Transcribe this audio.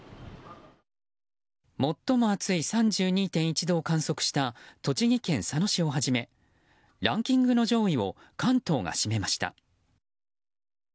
最も暑い３２．１度を観測した栃木県佐野市をはじめランキングの上位を関東が占めました。